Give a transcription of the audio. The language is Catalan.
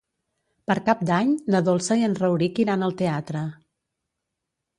Per Cap d'Any na Dolça i en Rauric iran al teatre.